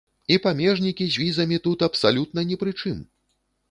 І памежнікі з візамі тут абсалютна ні пры чым!